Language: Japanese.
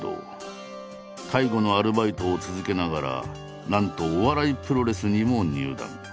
介護のアルバイトを続けながらなんとお笑いプロレスにも入団。